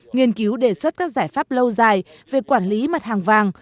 nghiên cứu đề xuất các giải pháp lâu dài về quản lý mặt hàng vàng